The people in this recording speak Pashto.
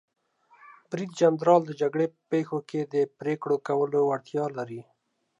برید جنرال د جګړې په پیښو کې د پریکړو کولو وړتیا لري.